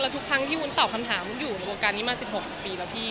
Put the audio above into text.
ทุกครั้งที่วุ้นตอบคำถามวุ้นอยู่ในวงการนี้มา๑๖ปีแล้วพี่